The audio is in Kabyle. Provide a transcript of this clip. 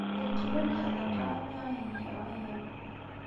D lqella n leḥdaqa imi ay iga aya.